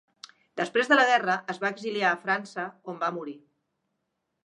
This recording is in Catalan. Després de la guerra es va exiliar a França, on va morir.